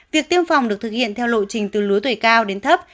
việc tiêm phòng được thực hiện theo lộ trình từ lứa tuổi cao đến thấp